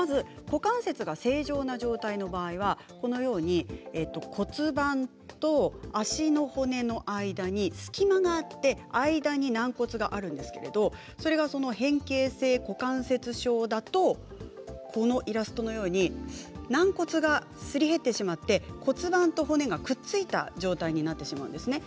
股関節が正常な状態の場合はこのように骨盤と足の骨の間に隙間があって間に軟骨があるんですけれどそれが変形性股関節症だとこのイラストのように軟骨がすり減ってしまって骨盤と骨がくっついた状態になってしまうんです。